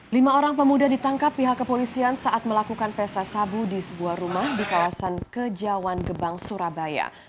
lima orang pemuda ditangkap pihak kepolisian saat melakukan pesta sabu di sebuah rumah di kawasan kejawan gebang surabaya